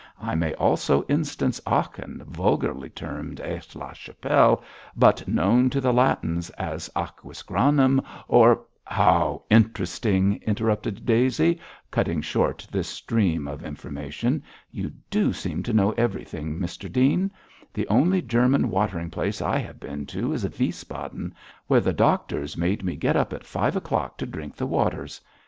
I may also instance Aachen, vulgarly termed Aix la Chapelle, but known to the Latins as Aquisgranum or ' 'How interesting!' interrupted Daisy, cutting short this stream of information. 'You do seem to know everything, Mr Dean. The only German watering place I have been to is Wiesbaden, where the doctors made me get up at five o'clock to drink the waters.